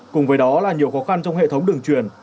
cùng với đó là nhiều khó khăn trong hệ thống đường truyền